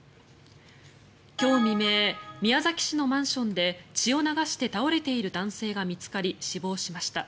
今日未明、宮崎市のマンションで血を流して倒れている男性が見つかり死亡しました。